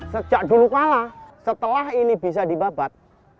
sejak dulu kalah setelah ini bisa dibabat